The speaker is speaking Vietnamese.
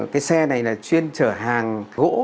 cái xe này là chuyên chở hàng gỗ